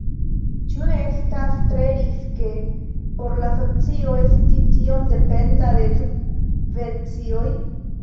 Ĉu ne estas tre riske por la asocio esti tiom dependa de subvencioj?